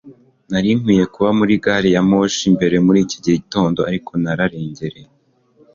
nari nkwiye kuba muri gari ya moshi ya mbere muri iki gitondo, ariko nararengereye